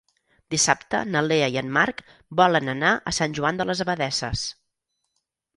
Dissabte na Lea i en Marc volen anar a Sant Joan de les Abadesses.